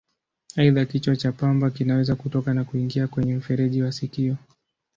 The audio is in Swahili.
Aidha, kichwa cha pamba kinaweza kutoka na kuingia kwenye mfereji wa sikio.